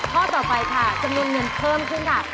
ข้อต่อไปค่ะจำนวนเงินเพิ่มขึ้นค่ะ